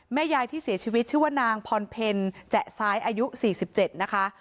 ยายที่เสียชีวิตชื่อว่านางพรเพลแจ๊ซ้ายอายุ๔๗นะคะ